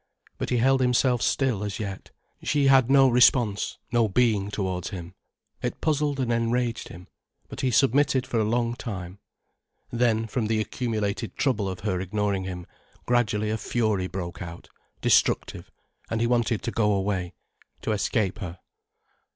But he held himself still as yet. She had no response, no being towards him. It puzzled and enraged him, but he submitted for a long time. Then, from the accumulated troubling of her ignoring him, gradually a fury broke out, destructive, and he wanted to go away, to escape her.